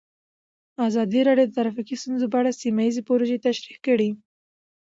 ازادي راډیو د ټرافیکي ستونزې په اړه سیمه ییزې پروژې تشریح کړې.